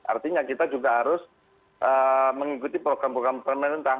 artinya kita juga harus mengikuti program program pemerintah